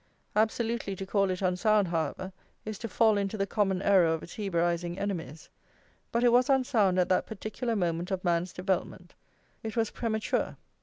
Absolutely to call it unsound, however, is to fall into the common error of its Hebraising enemies; but it was unsound at that particular moment of man's development, it was premature.